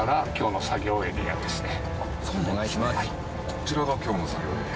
こちらが今日の作業エリア？